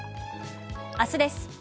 明日です。